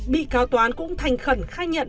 bị cáo toán cũng thành khẩn khai nhận